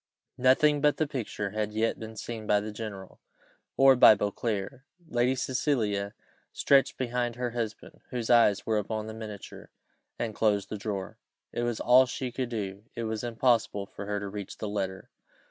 Nothing but the picture had yet been seen by the general or by Beauclerc: Lady Cecilia stretched behind her husband, whose eyes were upon the miniature, and closed the drawer. It was all she could do, it was impossible for her to reach the letter.